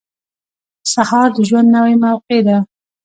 • سهار د ژوند نوې موقع ده.